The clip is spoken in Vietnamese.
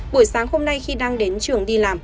buổi sáng hôm nay khi đang đến trường đi làm